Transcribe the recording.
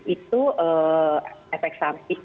itu efek samping